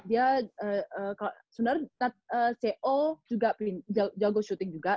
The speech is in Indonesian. dia sebenarnya co juga jangkau shooting juga